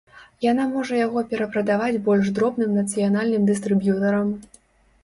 Яна можа яго перапрадаваць больш дробным нацыянальным дыстрыб'ютарам.